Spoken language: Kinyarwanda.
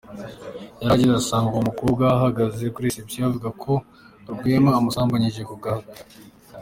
Yarahageze asanga uwo mukobwa ahagaze kuri reception avuga ko Rwema amusambanyije ku gahato.